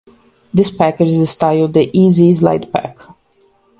This package is styled the "E-Z Slide Pack".